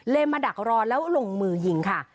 มาดักรอแล้วลงมือยิงค่ะ